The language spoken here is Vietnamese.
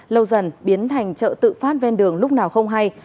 lâu dần biến thành chợ tự phát ven đường lúc nào không hay